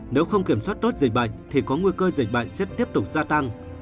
nếu không kiểm soát tốt dịch bệnh thì có nguy cơ dịch bệnh sẽ tiếp tục gia tăng